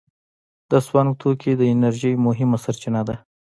د سون توکي د انرژۍ مهمه سرچینه ده.